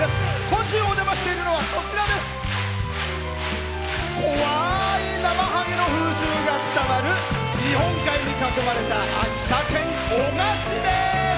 今週お邪魔しているのは怖いナマハゲの風習が伝わる日本海に囲まれた秋田県男鹿市です。